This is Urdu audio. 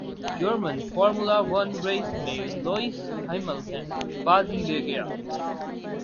جرمن فارمولا ون ریس میں لوئس ہملٹن بازی لے گئے